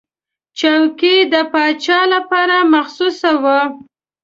چوکۍ د پاچا لپاره مخصوصه وه.